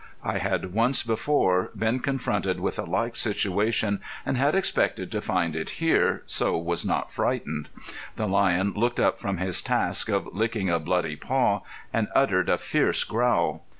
I had once before been confronted with a like situation, and had expected to find it here, so was not frightened. The lion looked up from his task of licking a bloody paw, and uttered a fierce growl.